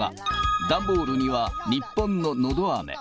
段ボールには、日本ののどあめ。